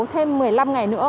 thêm một mươi năm ngày nữa